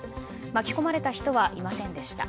巻き込まれた人はいませんでした。